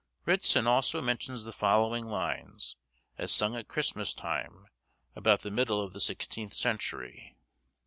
Ritson also mentions the following lines, as sung at Christmas time, about the middle of the sixteenth century.